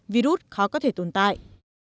virus khó có thể tồn tại